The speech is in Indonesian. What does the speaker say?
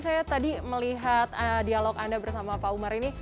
saya tadi melihat dialog anda bersama pak umar ini